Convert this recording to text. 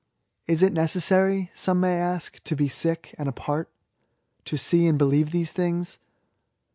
Is it necessary, some may ask, to be sick, and apart, to see and believe these things?